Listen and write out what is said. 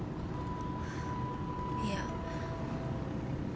いや。